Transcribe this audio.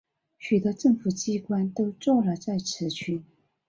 许多政府机关都座落在此区。